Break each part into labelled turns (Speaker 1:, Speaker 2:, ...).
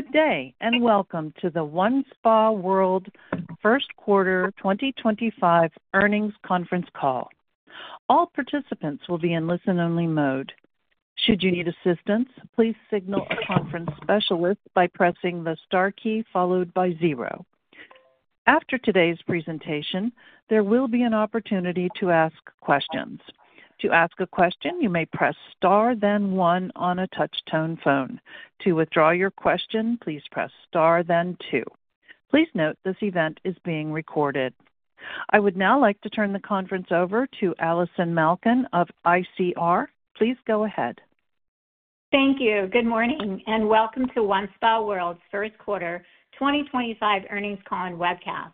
Speaker 1: Good day and welcome to the OneSpaWorld First Quarter 2025 earnings conference call. All participants will be in listen-only mode. Should you need assistance, please signal a conference specialist by pressing the star key followed by zero. After today's presentation, there will be an opportunity to ask questions. To ask a question, you may press star, then one on a touch-tone phone. To withdraw your question, please press star, then two. Please note this event is being recorded. I would now like to turn the conference over to Allison Malkin of ICR. Please go ahead.
Speaker 2: Thank you. Good morning and welcome to OneSpaWorld's First Quarter 2025 Earnings Call and Webcast.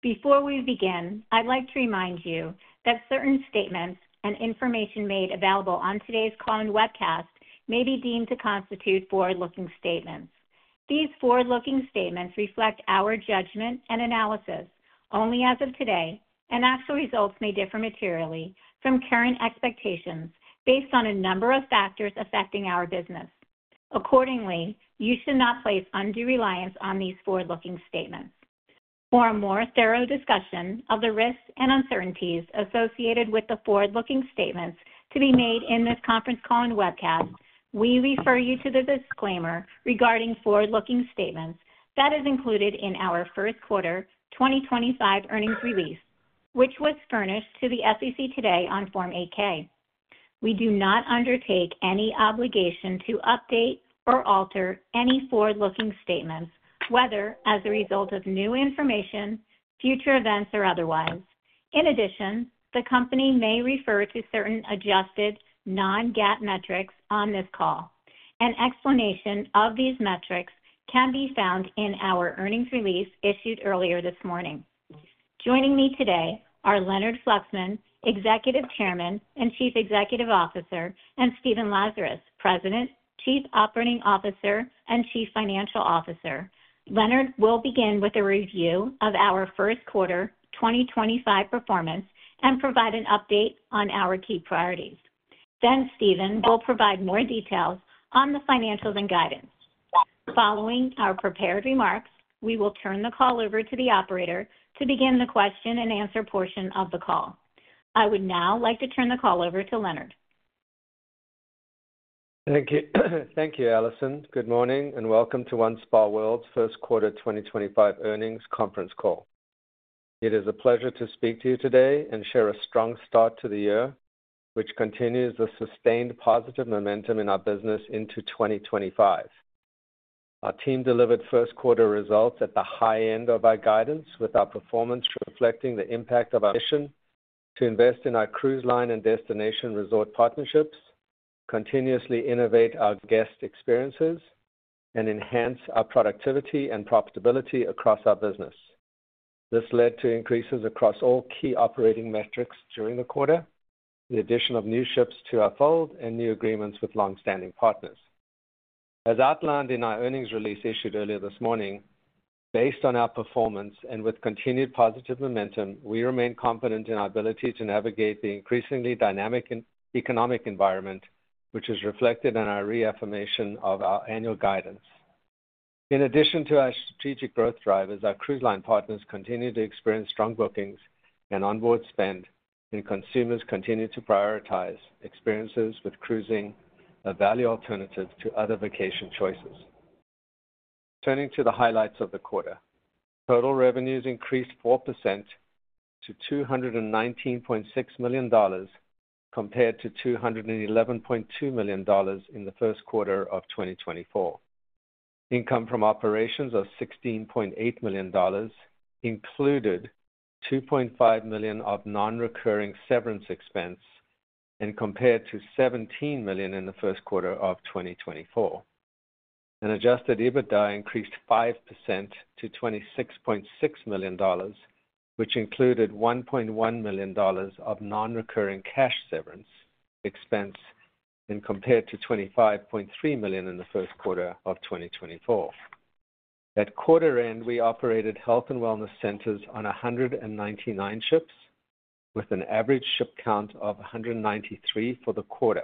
Speaker 2: Before we begin, I'd like to remind you that certain statements and information made available on today's call and webcast may be deemed to constitute forward-looking statements. These forward-looking statements reflect our judgment and analysis only as of today, and actual results may differ materially from current expectations based on a number of factors affecting our business. Accordingly, you should not place undue reliance on these forward-looking statements. For a more thorough discussion of the risks and uncertainties associated with the forward-looking statements to be made in this conference call and webcast, we refer you to the disclaimer regarding forward-looking statements that is included in our First Quarter 2025 earnings release, which was furnished to the SEC today on Form 8-K. We do not undertake any obligation to update or alter any forward-looking statements, whether as a result of new information, future events, or otherwise. In addition, the company may refer to certain adjusted non-GAAP metrics on this call. An explanation of these metrics can be found in our earnings release issued earlier this morning. Joining me today are Leonard Fluxman, Executive Chairman and Chief Executive Officer, and Stephen Lazarus, President, Chief Operating Officer, and Chief Financial Officer. Leonard will begin with a review of our first quarter 2025 performance and provide an update on our key priorities. Stephen will provide more details on the financials and guidance. Following our prepared remarks, we will turn the call over to the operator to begin the question-and-answer portion of the call. I would now like to turn the call over to Leonard.
Speaker 3: Thank you. Thank you, Allison. Good morning and welcome to OneSpaWorld's First Quarter 2025 Earnings Conference Call. It is a pleasure to speak to you today and share a strong start to the year, which continues the sustained positive momentum in our business into 2025. Our team delivered first-quarter results at the high end of our guidance, with our performance reflecting the impact of our mission to invest in our cruise line and destination resort partnerships, continuously innovate our guest experiences, and enhance our productivity and profitability across our business. This led to increases across all key operating metrics during the quarter, the addition of new ships to our fold, and new agreements with long-standing partners. As outlined in our earnings release issued earlier this morning, based on our performance and with continued positive momentum, we remain confident in our ability to navigate the increasingly dynamic economic environment, which is reflected in our reaffirmation of our Annual Guidance. In addition to our strategic growth drivers, our cruise line partners continue to experience strong bookings and onboard spend, and consumers continue to prioritize experiences with cruising a value alternative to other vacation choices. Turning to the highlights of the quarter, total revenues increased 4% to $219.6 million compared to $211.2 million in the first quarter of 2024. Income from operations of $16.8 million included $2.5 million of non-recurring severance expense and compared to $17 million in the first quarter of 2024. Adjusted EBITDA increased 5% to $26.6 million, which included $1.1 million of non-recurring cash severance expense and compared to $25.3 million in the first quarter of 2024. At quarter end, we operated health and wellness centers on 199 ships, with an average ship count of 193 for the quarter.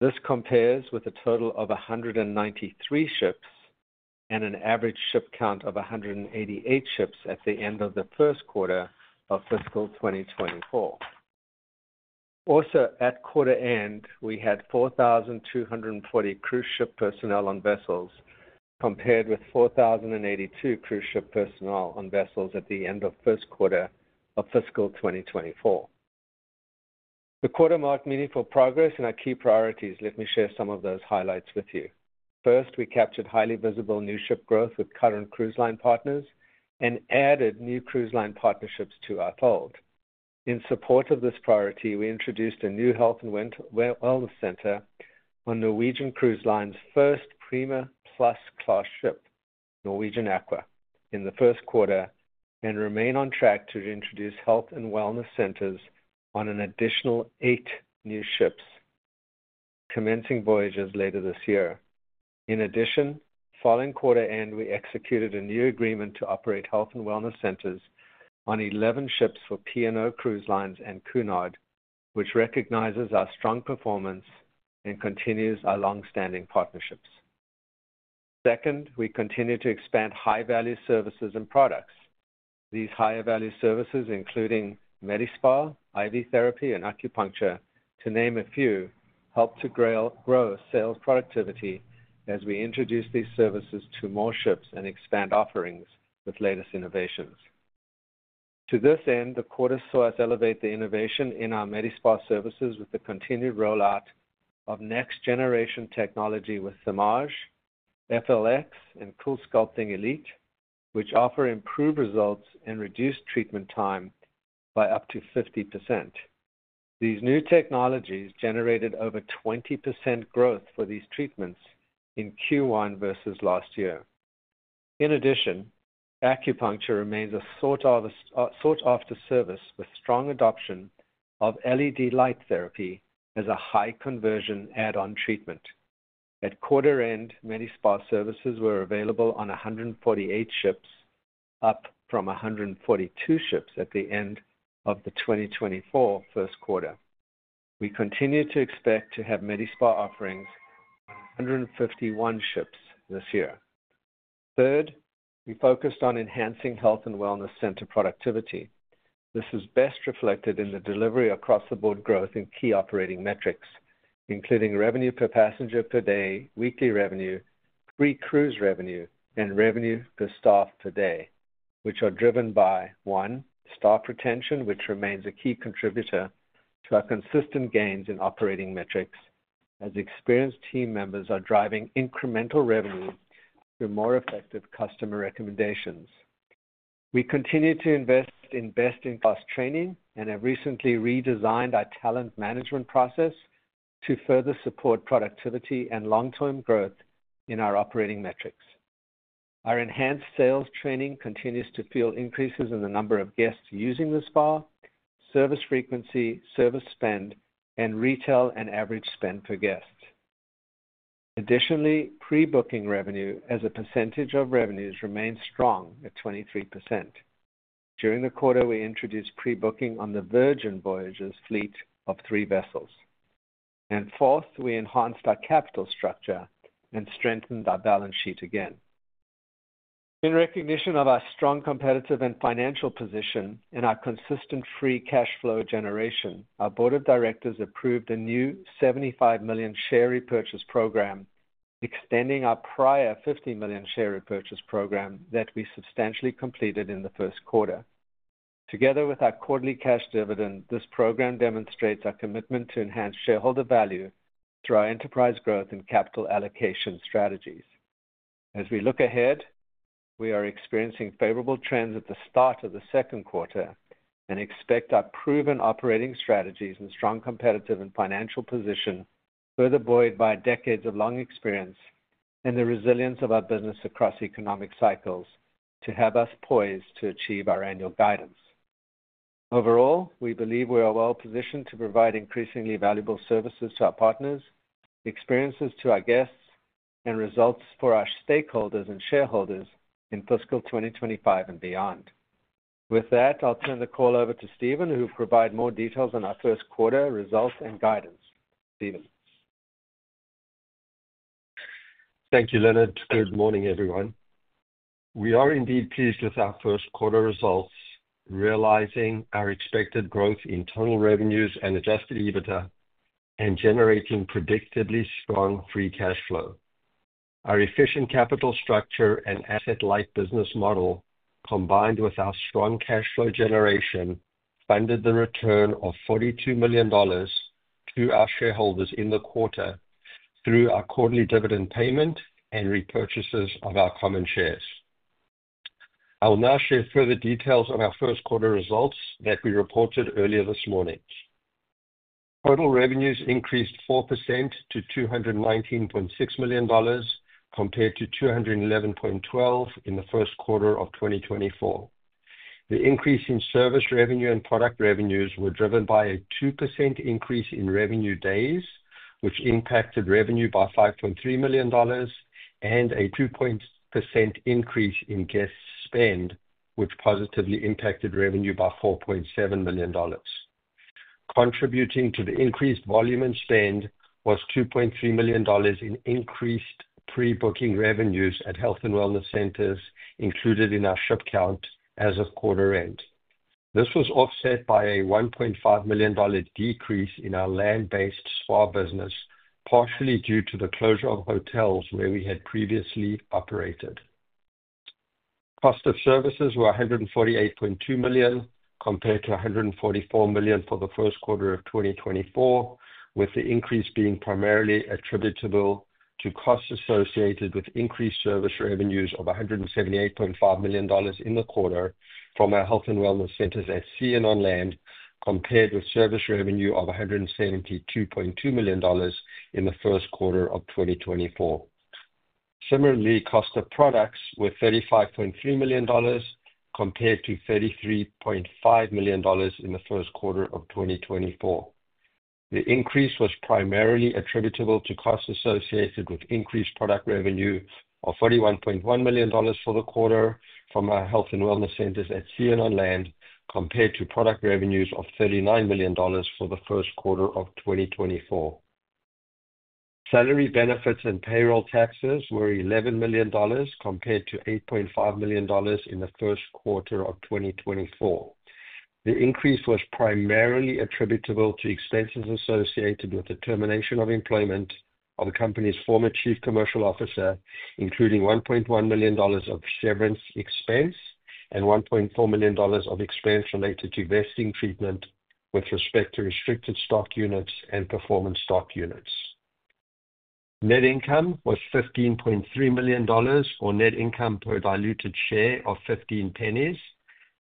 Speaker 3: This compares with a total of 193 ships and an average ship count of 188 ships at the end of the first quarter of fiscal 2024. Also, at quarter end, we had 4,240 cruise ship personnel on vessels compared with 4,082 cruise ship personnel on vessels at the end of first quarter of fiscal 2024. The quarter marked meaningful progress in our key priorities. Let me share some of those highlights with you. First, we captured highly visible new ship growth with current cruise line partners and added new cruise line partnerships to our fold. In support of this priority, we introduced a new health and wellness center on Norwegian Cruise Line's first Prima Plus Class ship, Norwegian Aqua, in the first quarter and remain on track to introduce health and wellness centers on an additional eight new ships with commencing voyages later this year. In addition, following quarter end, we executed a new agreement to operate health and wellness centers on 11 ships for P&O Cruise Lines and Cunard, which recognizes our strong performance and continues our long-standing partnerships. Second, we continue to expand high-value services and products. These higher-value services, including MediSpa, IV Therapy, and Acupuncture, to name a few, help to grow sales productivity as we introduce these services to more ships and expand offerings with latest innovations. To this end, the quarter saw us elevate the innovation in our MediSpa services with the continued rollout of next-generation technology with Thermage FLX and CoolSculpting Elite, which offer improved results and reduced treatment time by up to 50%. These new technologies generated over 20% growth for these treatments in Q1 versus last year. In addition, acupuncture remains a sought-after service with strong adoption of LED light therapy as a high-conversion add-on treatment. At quarter end, MediSpa services were available on 148 ships, up from 142 ships at the end of the 2024 first quarter. We continue to expect to have MediSpa offerings on 151 ships this year. Third, we focused on enhancing health and wellness center productivity. This is best reflected in the delivery across-the-board growth in key operating metrics, including revenue per passenger per day, weekly revenue, pre-cruise revenue, and revenue per staff per day, which are driven by, one, staff retention, which remains a key contributor to our consistent gains in operating metrics as experienced team members are driving incremental revenue through more effective customer recommendations. We continue to invest in best-in-class training and have recently redesigned our talent management process to further support productivity and long-term growth in our operating metrics. Our enhanced sales training continues to fuel increases in the number of guests using the spa, service frequency, service spend, and retail and average spend per guest. Additionally, pre-booking revenue as a percentage of revenues remains strong at 23%. During the quarter, we introduced pre-booking on the Virgin Voyages fleet of three vessels. Fourth, we enhanced our capital structure and strengthened our balance sheet again. In recognition of our strong competitive and financial position and our consistent free cash flow generation, our Board of Directors approved a new $75 million share repurchase program, extending our prior $50 million share repurchase program that we substantially completed in the first quarter. Together with our quarterly cash dividend, this program demonstrates our commitment to enhance shareholder value through our enterprise growth and capital allocation strategies. As we look ahead, we are experiencing favorable trends at the start of the second quarter and expect our proven operating strategies and strong competitive and financial position, further buoyed by decades of long experience and the resilience of our business across economic cycles, to have us poised to achieve our Annual Guidance. Overall, we believe we are well positioned to provide increasingly valuable services to our partners, experiences to our guests, and results for our stakeholders and shareholders in fiscal 2025 and beyond. With that, I'll turn the call over to Stephen, who will provide more details on our first quarter results and guidance. Stephen.
Speaker 4: Thank you, Leonard. Good morning, everyone. We are indeed pleased with our first quarter results, realizing our expected growth in total revenues and Adjusted EBITDA, and generating predictably strong free cash flow. Our efficient capital structure and asset-light business model, combined with our strong cash flow generation, funded the return of $42 million to our shareholders in the quarter through our quarterly dividend payment and repurchases of our common shares. I will now share further details on our first quarter results that we reported earlier this morning. Total revenues increased 4% to $219.6 million compared to $211.12 million in the first quarter of 2024. The increase in service revenue and product revenues was driven by a 2% increase in revenue days, which impacted revenue by $5.3 million, and a 2% increase in guest spend, which positively impacted revenue by $4.7 million. Contributing to the increased volume and spend was $2.3 million in increased pre-booking revenues at health and wellness centers included in our ship count as of quarter end. This was offset by a $1.5 million decrease in our land-based spa business, partially due to the closure of hotels where we had previously operated. Cost of services were $148.2 million compared to $144 million for the first quarter of 2024, with the increase being primarily attributable to costs associated with increased service revenues of $178.5 million in the quarter from our health and wellness centers at sea and on land, compared with service revenue of $172.2 million in the first quarter of 2024. Similarly, cost of products were $35.3 million compared to $33.5 million in the first quarter of 2024. The increase was primarily attributable to costs associated with increased product revenue of $41.1 million for the quarter from our health and wellness centers at sea and on land, compared to product revenues of $39 million for the first quarter of 2024. Salary benefits and payroll taxes were $11 million compared to $8.5 million in the first quarter of 2024. The increase was primarily attributable to expenses associated with the termination of employment of the company's former Chief Commercial Officer, including $1.1 million of severance expense and $1.4 million of expense related to vesting treatment with respect to Restricted Stock Units and Performance Stock Units. Net income was $15.3 million or net income per diluted share of $0.15,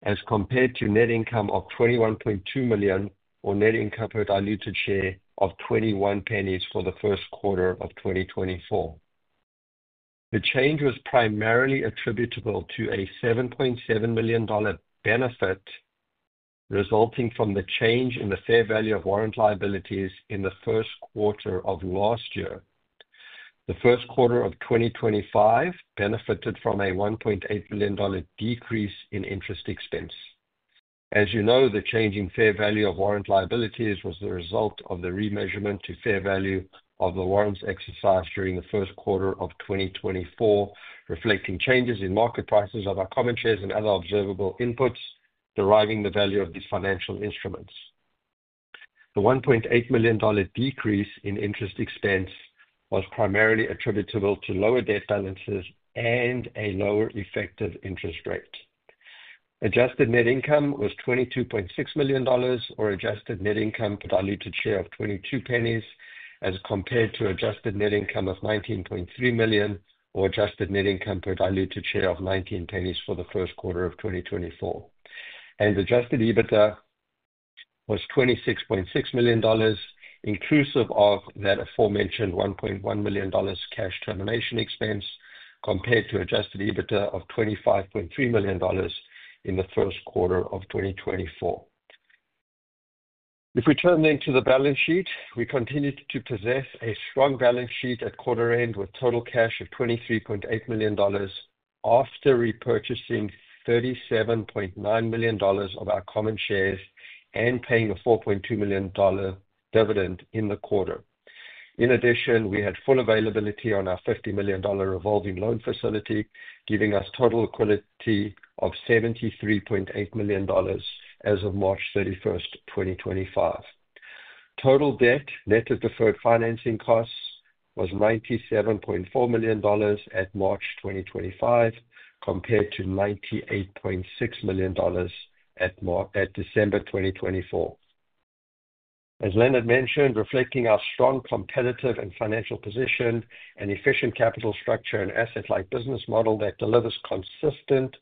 Speaker 4: as compared to net income of $21.2 million or net income per diluted share of $0.21 for the first quarter of 2024. The change was primarily attributable to a $7.7 million benefit resulting from the change in the fair value of warrant liabilities in the first quarter of last year. The first quarter of 2025 benefited from a $1.8 million decrease in interest expense. As you know, the change in fair value of warrant liabilities was the result of the remeasurement to fair value of the warrants exercised during the first quarter of 2024, reflecting changes in market prices of our common shares and other observable inputs deriving the value of these financial instruments. The $1.8 million decrease in interest expense was primarily attributable to lower debt balances and a lower effective interest rate. Adjusted net income was $22.6 million or adjusted net income per diluted share of $0.22, as compared to adjusted net income of $19.3 million or adjusted net income per diluted share of $0.19 for the first quarter of 2024. Adjusted EBITDA was $26.6 million, inclusive of that aforementioned $1.1 million cash termination expense, compared to Adjusted EBITDA of $25.3 million in the first quarter of 2024. If we turn then to the balance sheet, we continued to possess a strong balance sheet at quarter end with total cash of $23.8 million after repurchasing $37.9 million of our common shares and paying a $4.2 million dividend in the quarter. In addition, we had full availability on our $50 million revolving loan facility, giving us total liquidity of $73.8 million as of March 31, 2025. Total debt, net of deferred financing costs, was $97.4 million at March 2025, compared to $98.6 million at December 2024. As Leonard mentioned, reflecting our strong competitive and financial position and efficient capital structure and asset-light business model that delivers consistent,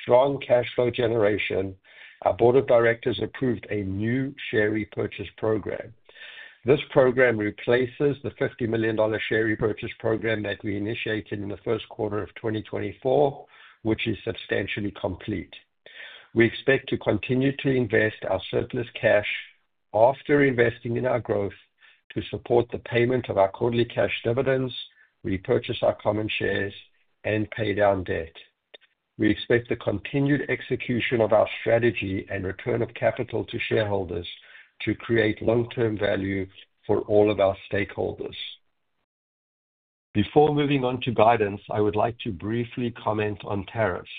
Speaker 4: strong cash flow generation, our Board of Directors approved a new share repurchase program. This program replaces the $50 million share repurchase program that we initiated in the first quarter of 2024, which is substantially complete. We expect to continue to invest our surplus cash after investing in our growth to support the payment of our quarterly cash dividends, repurchase our common shares, and pay down debt. We expect the continued execution of our strategy and return of capital to shareholders to create long-term value for all of our stakeholders. Before moving on to guidance, I would like to briefly comment on tariffs.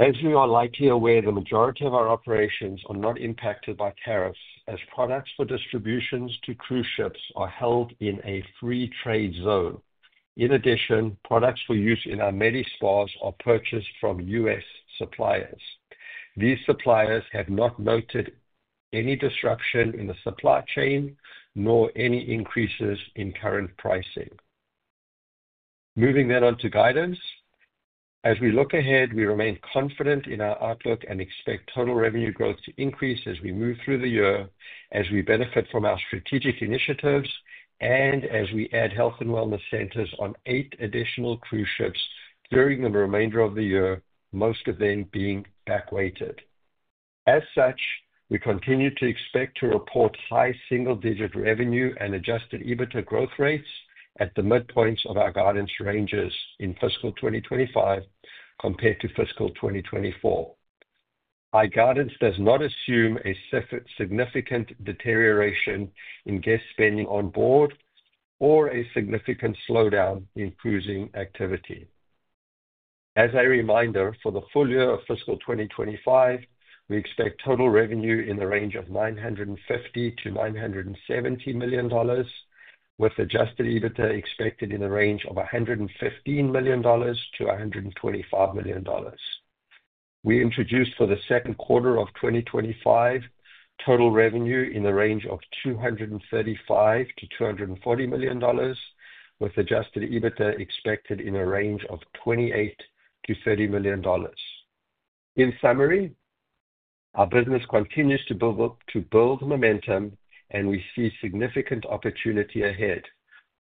Speaker 4: As you are likely aware, the majority of our operations are not impacted by tariffs as products for distributions to cruise ships are held in a Free Trade Zone. In addition, products for use in our MediSpas are purchased from U.S. suppliers. These suppliers have not noted any disruption in the supply chain nor any increases in current pricing. Moving then on to guidance. As we look ahead, we remain confident in our outlook and expect total revenue growth to increase as we move through the year, as we benefit from our strategic initiatives, and as we add health and wellness centers on eight additional cruise ships during the remainder of the year, most of them being back-weighted. As such, we continue to expect to report high single-digit revenue and Adjusted EBITDA growth rates at the midpoints of our guidance ranges in fiscal 2025 compared to Fiscal 2024. Our guidance does not assume a significant deterioration in guest spending on board or a significant slowdown in cruising activity. As a reminder, for the full year of fiscal 2025, we expect total revenue in the range of $950 million-$970 million, with Adjusted EBITDA expected in the range of $115 million-$125 million. We introduced for the Second Quarter of 2025 total revenue in the range of $235 million-$240 million, with Adjusted EBITDA expected in a range of $28 million-$30 million. In summary, our business continues to build momentum, and we see significant opportunity ahead.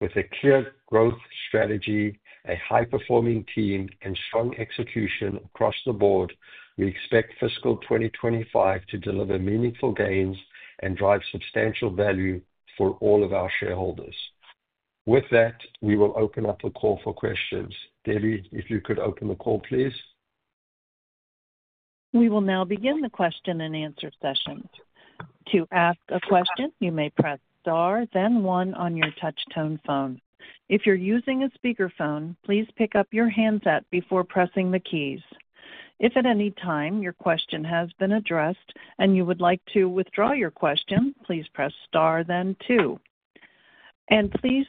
Speaker 4: With a clear growth strategy, a high-performing team, and strong execution across the board, we expect Fiscal 2025 to deliver meaningful gains and drive substantial value for all of our shareholders. With that, we will open up the call for questions. Debbie, if you could open the call, please.
Speaker 1: We will now begin the question and answer session. To ask a question, you may press star, then one on your touch-tone phone. If you're using a speakerphone, please pick up your handset before pressing the keys. If at any time your question has been addressed and you would like to withdraw your question, please press star, then two. Please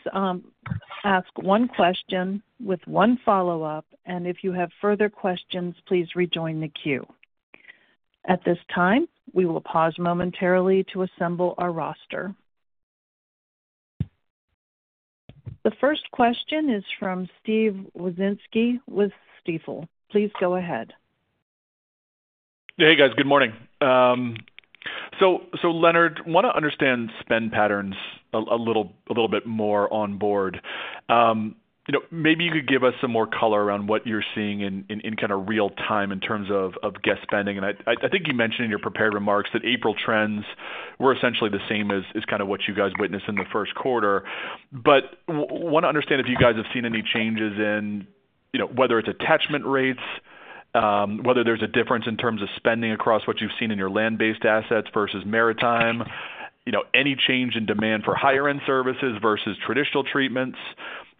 Speaker 1: ask one question with one follow-up, and if you have further questions, please rejoin the queue. At this time, we will pause momentarily to assemble our roster. The first question is from Steve Wieczynski with Stifel. Please go ahead.
Speaker 5: Hey, guys. Good morning. Leonard, I want to understand spend patterns a little bit more on board. Maybe you could give us some more color around what you're seeing in kind of real time in terms of guest spending. I think you mentioned in your prepared remarks that April trends were essentially the same as kind of what you guys witnessed in the First Quarter. I want to understand if you guys have seen any changes in whether it's attachment rates, whether there's a difference in terms of spending across what you've seen in your land-based assets versus maritime, any change in demand for higher-end services versus traditional treatments.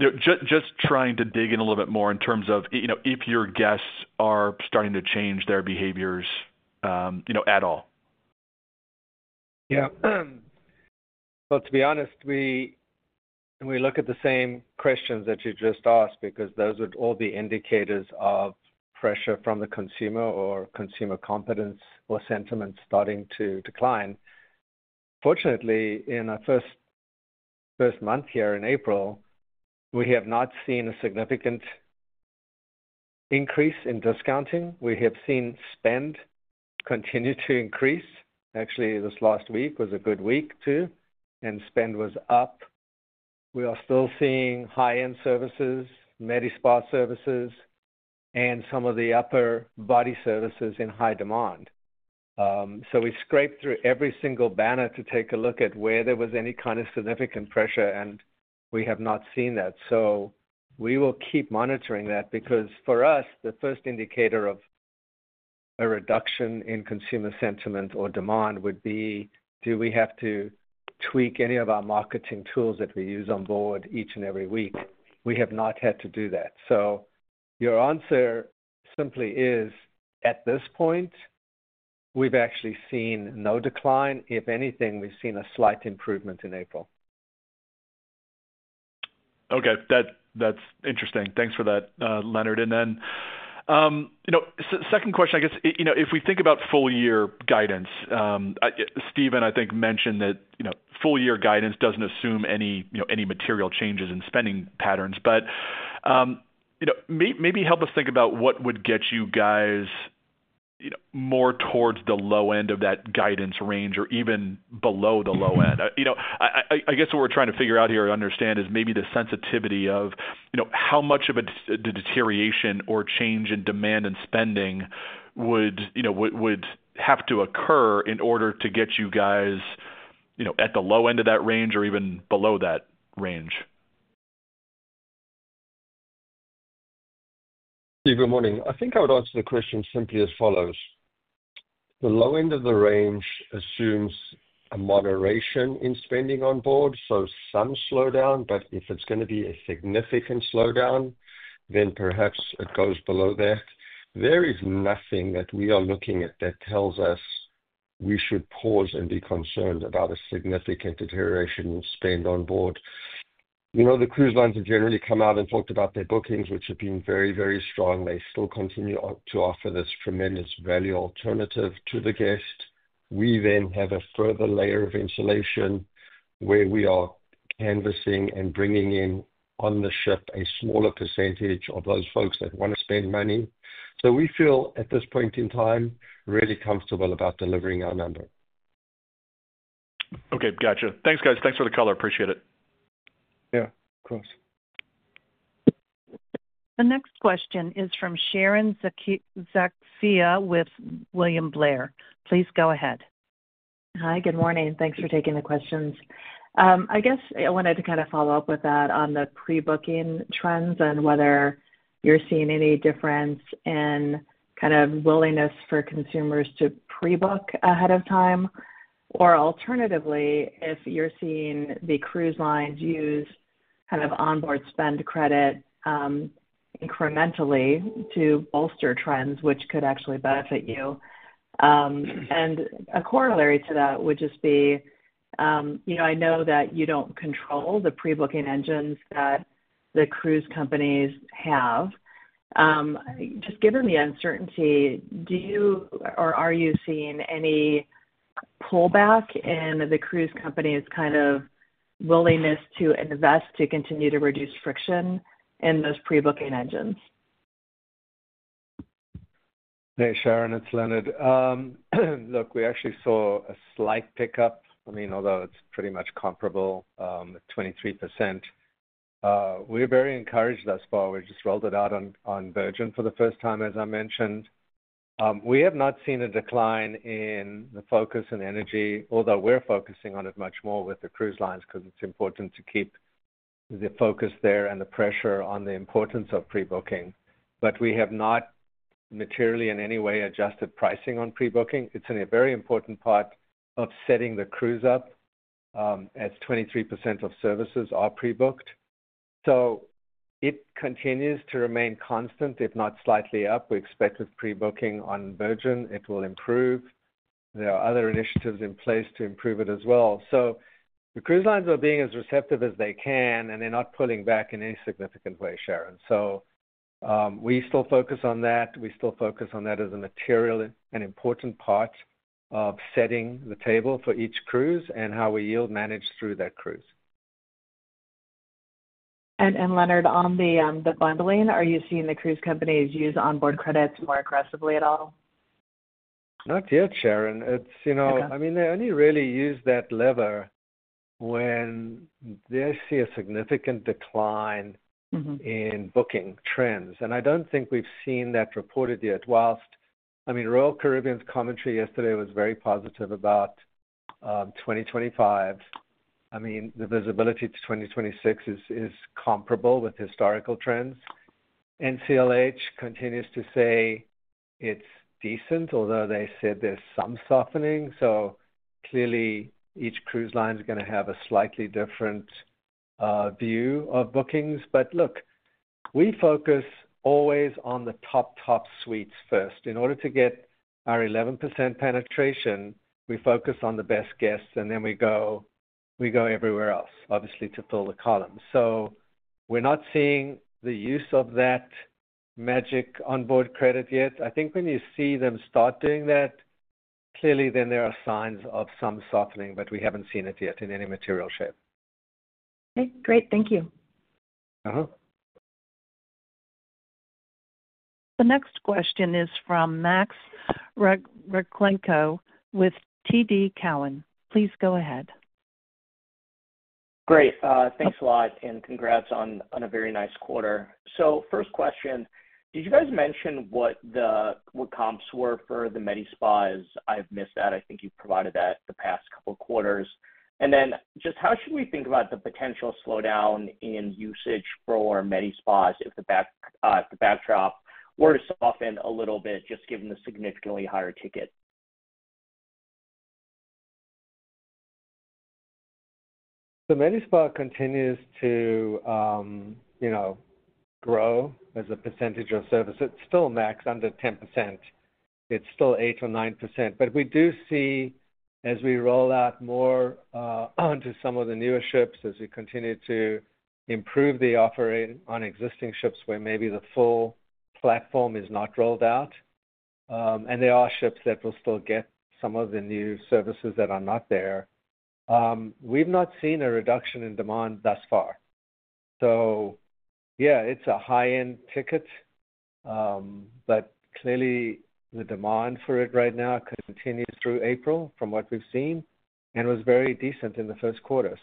Speaker 5: Just trying to dig in a little bit more in terms of if your guests are starting to change their behaviors at all.
Speaker 3: Yeah. To be honest, we look at the same questions that you just asked because those would all be indicators of pressure from the consumer or consumer confidence or sentiment starting to decline. Fortunately, in our first month here in April, we have not seen a significant increase in discounting. We have seen spend continue to increase. Actually, this last week was a good week too, and spend was up. We are still seeing high-end services, MediSpa services, and some of the upper body services in high demand. We scraped through every single banner to take a look at where there was any kind of significant pressure, and we have not seen that. We will keep monitoring that because, for us, the first indicator of a reduction in consumer sentiment or demand would be, do we have to tweak any of our marketing tools that we use on board each and every week? We have not had to do that. Your answer simply is, at this point, we've actually seen no decline. If anything, we've seen a slight improvement in April.
Speaker 5: Okay. That's interesting. Thanks for that, Leonard. Then second question, I guess, if we think about full-year guidance, Stephen, I think, mentioned that full-year guidance doesn't assume any material changes in spending patterns. Maybe help us think about what would get you guys more towards the low end of that guidance range or even below the low end. I guess what we're trying to figure out here and understand is maybe the sensitivity of how much of a deterioration or change in demand and spending would have to occur in order to get you guys at the low end of that range or even below that range.
Speaker 4: Steve, good morning. I think I would answer the question simply as follows. The low end of the range assumes a moderation in spending on board, so some slowdown. If it is going to be a significant slowdown, then perhaps it goes below that. There is nothing that we are looking at that tells us we should pause and be concerned about a significant deterioration in spend on board. The cruise lines have generally come out and talked about their bookings, which have been very, very strong. They still continue to offer this tremendous value alternative to the guest. We then have a further layer of insulation where we are canvassing and bringing in on the ship a smaller percentage of those folks that want to spend money. We feel, at this point in time, really comfortable about delivering our number.
Speaker 5: Okay. Gotcha. Thanks, guys. Thanks for the color. Appreciate it.
Speaker 4: Yeah. Of course.
Speaker 1: The next question is from Sharon Zackfia with William Blair. Please go ahead.
Speaker 6: Hi. Good morning. Thanks for taking the questions. I guess I wanted to kind of follow up with that on the pre-booking trends and whether you're seeing any difference in kind of willingness for consumers to pre-book ahead of time. Alternatively, if you're seeing the cruise lines use kind of onboard spend credit incrementally to bolster trends, which could actually benefit you. A corollary to that would just be, I know that you don't control the pre-booking engines that the cruise companies have. Just given the uncertainty, do you or are you seeing any pullback in the cruise companies' kind of willingness to invest to continue to reduce friction in those pre-booking engines?
Speaker 3: Hey, Sharon. It's Leonard. Look, we actually saw a slight pickup. I mean, although it's pretty much comparable, 23%. We're very encouraged thus far. We just rolled it out on Virgin for the first time, as I mentioned. We have not seen a decline in the focus and energy, although we're focusing on it much more with the cruise lines because it's important to keep the focus there and the pressure on the importance of pre-booking. We have not materially in any way adjusted pricing on pre-booking. It's a very important part of setting the cruise up as 23% of services are pre-booked. It continues to remain constant, if not slightly up. We expect with pre-booking on Virgin, it will improve. There are other initiatives in place to improve it as well. The cruise lines are being as receptive as they can, and they're not pulling back in any significant way, Sharon. We still focus on that. We still focus on that as a material and important part of setting the table for each cruise and how we yield manage through that cruise.
Speaker 6: Leonard, on the bundling, are you seeing the cruise companies use onboard credits more aggressively at all?
Speaker 3: Not yet, Sharon. I mean, they only really use that lever when they see a significant decline in booking trends. I do not think we have seen that reported yet. I mean, Royal Caribbean's commentary yesterday was very positive about 2025. The visibility to 2026 is comparable with historical trends. NCLH continues to say it is decent, although they said there is some softening. Clearly, each cruise line is going to have a slightly different view of bookings. Look, we focus always on the top, top suites first. In order to get our 11% penetration, we focus on the best guests, and then we go everywhere else, obviously, to fill the column. We are not seeing the use of that magic onboard credit yet. I think when you see them start doing that, clearly, then there are signs of some softening, but we haven't seen it yet in any material shape.
Speaker 6: Okay. Great. Thank you.
Speaker 1: The next question is from Max Rakhlenko with TD Cowen. Please go ahead.
Speaker 7: Great. Thanks a lot, and congrats on a very nice quarter. First question, did you guys mention what the comps were for the MediSpa? I missed that. I think you provided that the past couple of quarters. Just how should we think about the potential slowdown in usage for MediSpa if the backdrop were to soften a little bit just given the significantly higher ticket?
Speaker 3: The MediSpa continues to grow as a percentage of service. It's still max under 10%. It's still 8 or 9%. We do see, as we roll out more onto some of the newer ships, as we continue to improve the offering on existing ships where maybe the full platform is not rolled out, and there are ships that will still get some of the new services that are not there, we've not seen a reduction in demand thus far. Yeah, it's a high-end ticket, but clearly, the demand for it right now continues through April from what we've seen and was very decent in the first quarter.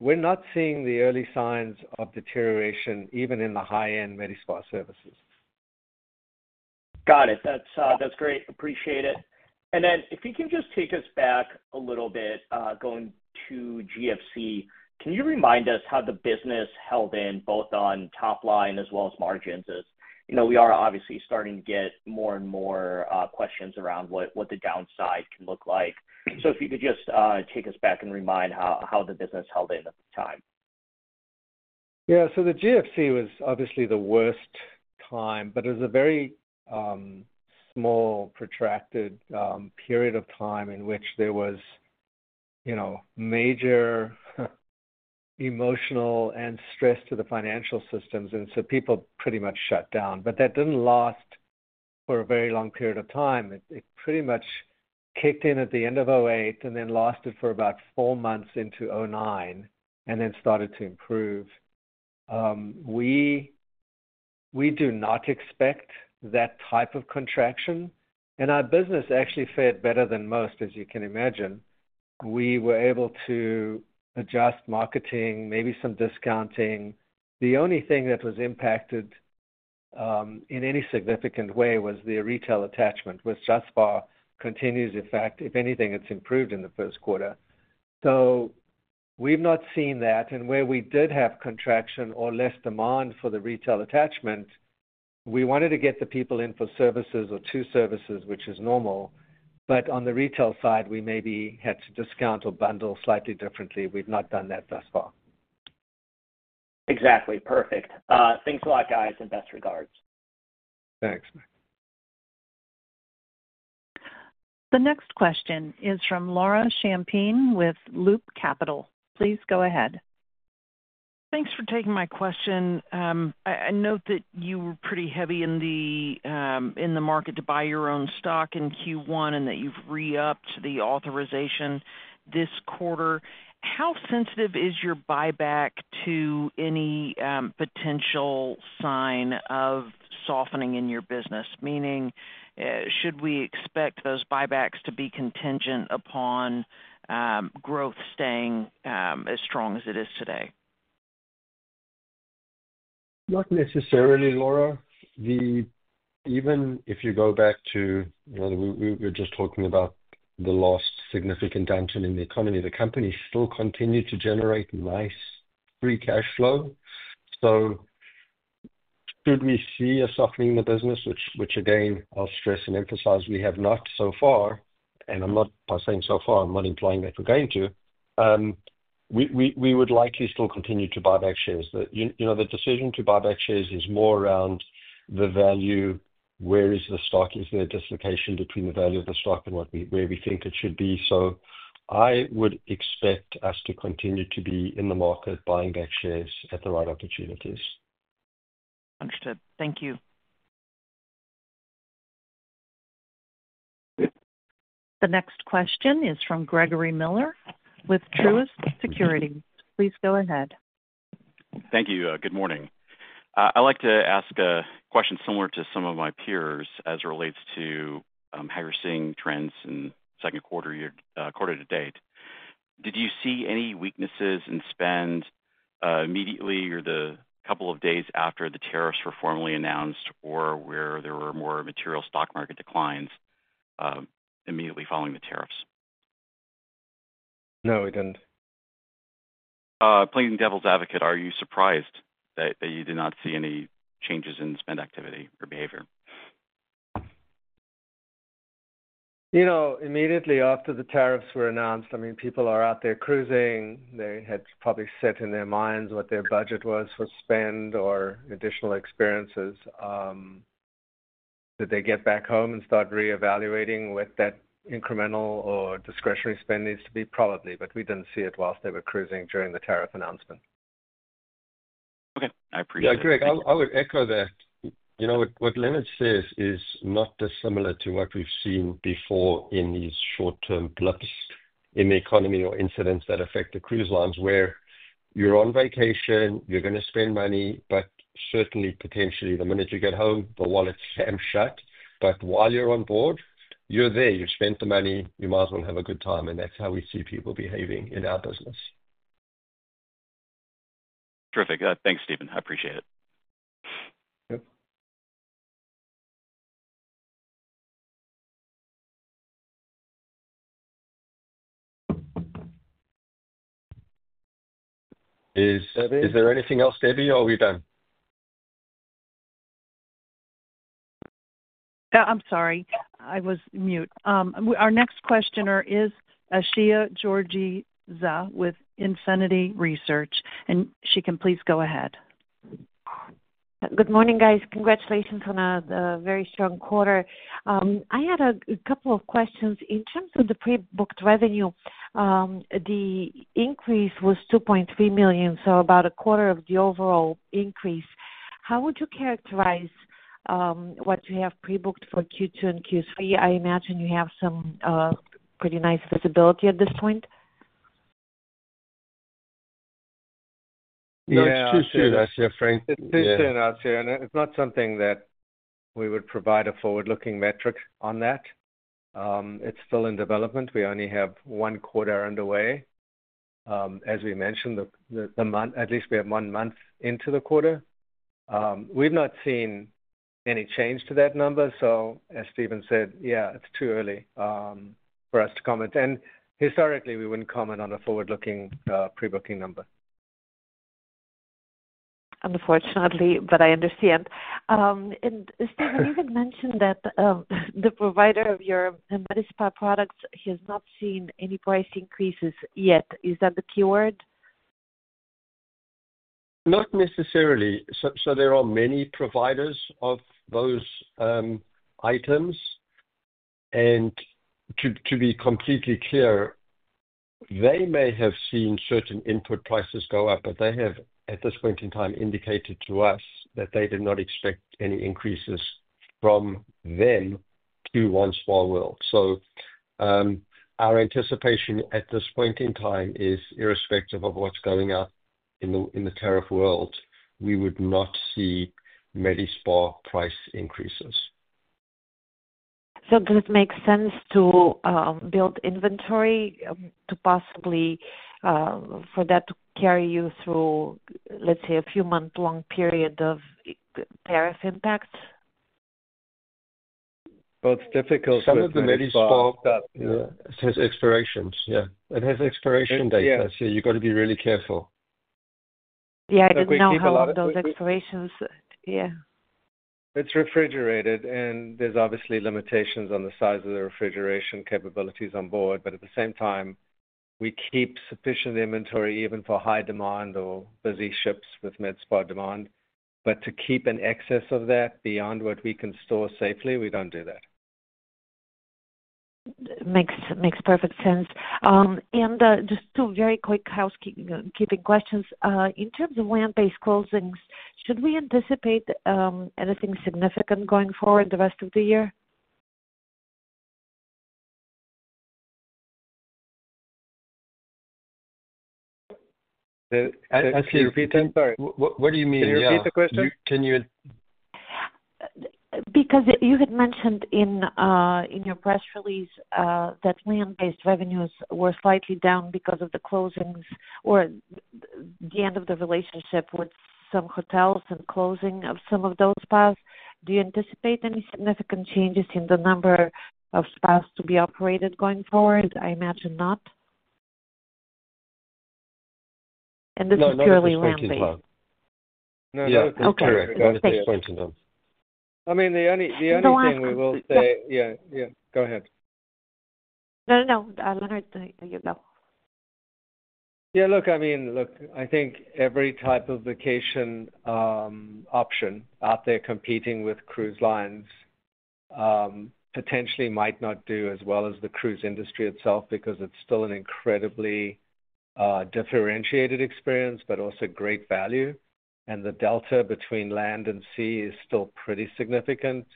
Speaker 3: We're not seeing the early signs of deterioration even in the high-end MediSpa services.
Speaker 7: Got it. That's great. Appreciate it. If you can just take us back a little bit going to GFC, can you remind us how the business held in both on top line as well as margins? We are obviously starting to get more and more questions around what the downside can look like. If you could just take us back and remind how the business held in at the time.
Speaker 3: Yeah. The GFC was obviously the worst time, but it was a very small, protracted period of time in which there was major emotional and stress to the financial systems. People pretty much shut down. That did not last for a very long period of time. It pretty much kicked in at the end of 2008 and then lasted for about four months into 2009 and then started to improve. We do not expect that type of contraction. Our business actually fared better than most, as you can imagine. We were able to adjust marketing, maybe some discounting. The only thing that was impacted in any significant way was the retail attachment, which thus far continues. In fact, if anything, it has improved in the first quarter. We have not seen that. Where we did have contraction or less demand for the retail attachment, we wanted to get the people in for services or two services, which is normal. On the retail side, we maybe had to discount or bundle slightly differently. We've not done that thus far.
Speaker 7: Exactly. Perfect. Thanks a lot, guys, and best regards.
Speaker 3: Thanks.
Speaker 1: The next question is from Laura Champine with Loop Capital. Please go ahead.
Speaker 8: Thanks for taking my question. I note that you were pretty heavy in the market to buy your own stock in Q1 and that you've re-upped the authorization this quarter. How sensitive is your buyback to any potential sign of softening in your business? Meaning, should we expect those buybacks to be contingent upon growth staying as strong as it is today?
Speaker 4: Not necessarily, Laura. Even if you go back to we were just talking about the last significant downturn in the economy, the company still continued to generate nice free cash flow. Should we see a softening in the business, which, again, I will stress and emphasize we have not so far—I am not by saying so far, I am not implying that we are going to—we would likely still continue to buy back shares. The decision to buy back shares is more around the value: where is the stock? Is there a dislocation between the value of the stock and where we think it should be? I would expect us to continue to be in the market buying back shares at the right opportunities.
Speaker 8: Understood. Thank you.
Speaker 1: The next question is from Gregory Miller with Truist Securities. Please go ahead.
Speaker 9: Thank you. Good morning. I'd like to ask a question similar to some of my peers as it relates to how you're seeing trends in second quarter to date. Did you see any weaknesses in spend immediately or the couple of days after the tariffs were formally announced or where there were more material stock market declines immediately following the tariffs?
Speaker 3: No, we didn't.
Speaker 9: Playing devil's advocate, are you surprised that you did not see any changes in spend activity or behavior?
Speaker 3: Immediately after the tariffs were announced, I mean, people are out there cruising. They had probably set in their minds what their budget was for spend or additional experiences. Did they get back home and start re-evaluating what that incremental or discretionary spend needs to be? Probably. We did not see it whilst they were cruising during the tariff announcement.
Speaker 9: Okay. I appreciate it.
Speaker 4: Yeah. Greg, I'll echo that. What Leonard says is not dissimilar to what we've seen before in these short-term blips in the economy or incidents that affect the cruise lines where you're on vacation, you're going to spend money, but certainly, potentially, the minute you get home, the wallets ham shut. While you're on board, you're there. You've spent the money. You might as well have a good time. That's how we see people behaving in our business.
Speaker 3: Terrific. Thanks, Stephen. I appreciate it.
Speaker 4: Is there anything else, Debbie, or are we done?
Speaker 1: I'm sorry. I was mute. Our next questioner is Assia Georgieva with Infinity Research. And she can please go ahead.
Speaker 10: Good morning, guys. Congratulations on a very strong quarter. I had a couple of questions. In terms of the pre-booked revenue, the increase was $2.3 million, so about a quarter of the overall increase. How would you characterize what you have pre-booked for Q2 and Q3? I imagine you have some pretty nice visibility at this point.
Speaker 3: It's too soon [cross talking]
Speaker 4: It's too soon [cross talking] It's not something that we would provide a forward-looking metric on. It's still in development. We only have one quarter underway. As we mentioned, at least we have one month into the quarter. We've not seen any change to that number. As Stephen said, it's too early for us to comment. Historically, we wouldn't comment on a forward-looking pre-booking number.
Speaker 10: Unfortunately, I understand. Stephen, you had mentioned that the provider of your MediSpa products has not seen any price increases yet. Is that the keyword?
Speaker 4: Not necessarily. There are many providers of those items. To be completely clear, they may have seen certain input prices go up, but they have, at this point in time, indicated to us that they did not expect any increases from them to OneSpaWorld. Our anticipation at this point in time is, irrespective of what is going up in the tariff world, we would not see MediSpa price increases.
Speaker 10: Does it make sense to build inventory for that to carry you through, let's say, a few-month-long period of tariff impact?
Speaker 3: It's difficult with the MediSpa.
Speaker 4: Some of the MediSpa expirations. Yeah. It has expiration dates. You have to be really careful.
Speaker 10: Yeah. I didn't know a lot of those expirations. Yeah.
Speaker 3: It's refrigerated, and there's obviously limitations on the size of the refrigeration capabilities on board. At the same time, we keep sufficient inventory even for high demand or busy ships with MediSpa demand. To keep an excess of that beyond what we can store safely, we don't do that.
Speaker 10: Makes perfect sense. Just two very quick housekeeping questions. In terms of land-based closings, should we anticipate anything significant going forward the rest of the year?
Speaker 3: Assia, repeat that.
Speaker 4: I'm sorry. What do you mean? [cross talking]
Speaker 3: Can you repeat the question?
Speaker 4: Can you?
Speaker 10: Because you had mentioned in your press release that land-based revenues were slightly down because of the closings or the end of the relationship with some hotels and closing of some of those spas. Do you anticipate any significant changes in the number of spas to be operated going forward? I imagine not. And this is purely rambling.
Speaker 4: No, no. That's correct. [cross talking] That's the point of it.
Speaker 3: I mean, the only thing we will say.[cross talking]
Speaker 4: Go ahead.
Speaker 10: No, no. Leonard, you go.
Speaker 3: Yeah. Look, I mean, look, I think every type of vacation option out there competing with cruise lines potentially might not do as well as the cruise industry itself because it's still an incredibly differentiated experience, but also great value. The delta between land and sea is still pretty significant.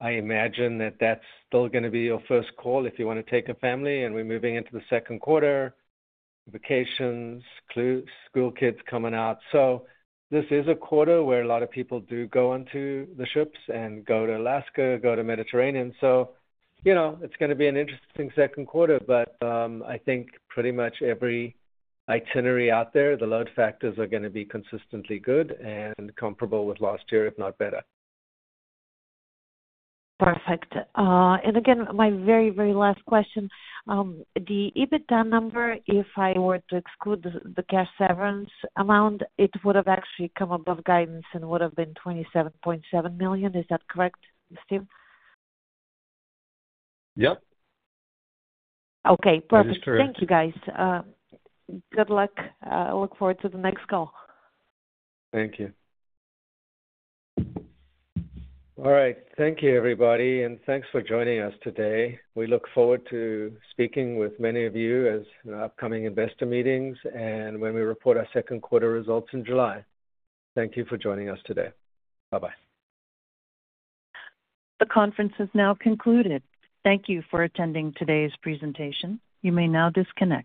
Speaker 3: I imagine that that's still going to be your first call if you want to take a family. We're moving into the second quarter, vacations, school kids coming out. This is a quarter where a lot of people do go onto the ships and go to Alaska, go to Mediterranean. It is going to be an interesting second quarter. I think pretty much every itinerary out there, the load factors are going to be consistently good and comparable with last year, if not better.
Speaker 10: Perfect. My very, very last question. The EBITDA number, if I were to exclude the cash severance amount, it would have actually come above guidance and would have been $27.7 million. Is that correct, Steph?
Speaker 4: Yep.
Speaker 10: Okay. Perfect. Thank you, guys. Good luck. I look forward to the next call.
Speaker 4: Thank you. All right. Thank you, everybody. Thank you for joining us today. We look forward to speaking with many of you at upcoming investor meetings and when we report our Second Quarter results in July. Thank you for joining us today. Bye-bye.
Speaker 1: The conference is now concluded. Thank you for attending today's presentation. You may now disconnect.